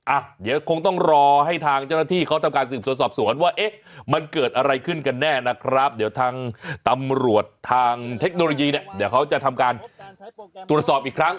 อ่ะเดี๋ยวคงต้องรอให้ทางเจ้าหน้าที่เขาทำการสืบสวนสอบสวนว่าเอ๊ะมันเกิดอะไรขึ้นกันแน่นะครับเดี๋ยวทางตำรวจทางเทคโนโลยีเนี่ยเดี๋ยวเขาจะทำการตรวจสอบอีกครั้ง